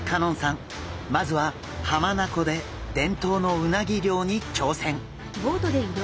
まずは浜名湖で伝統のうなぎ漁に挑戦！